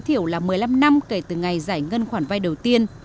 thời hạn cho vai tối thiểu là một mươi năm năm kể từ ngày giải ngân khoản vai đầu tiên